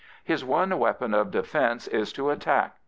His one weapon of defence is to attack.